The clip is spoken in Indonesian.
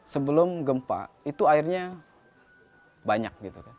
sebelum gempa itu airnya banyak